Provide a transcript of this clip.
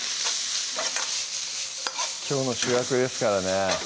きょうの主役ですからね